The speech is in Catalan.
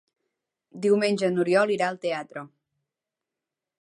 Diumenge n'Oriol irà al teatre.